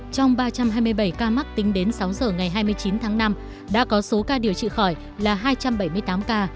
trong ba trăm hai mươi bảy ca mắc tính đến sáu giờ ngày hai mươi chín tháng năm đã có số ca điều trị khỏi là hai trăm bảy mươi tám ca